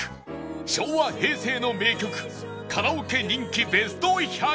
昭和・平成の名曲カラオケ人気ベスト１００